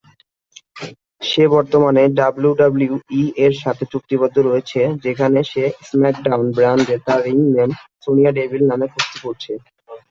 সে বর্তমানে ডাব্লিউডাব্লিউই এর সাথে চুক্তিবদ্ধ রয়েছে যেখানে সে স্ম্যাকডাউন ব্র্যান্ডে তার রিং নেম সোনিয়া ডেভিল নামে কুস্তি করছে।